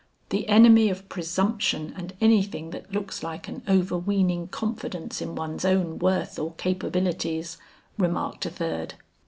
"The enemy of presumption and anything that looks like an overweening confidence in one's own worth or capabilities," remarked a third.